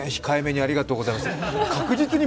控えめにありがとうございます。